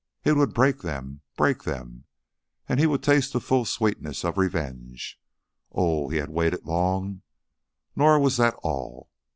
It would break them break them, and he would taste the full sweetness of revenge. Oh, he had waited long! Nor was that all.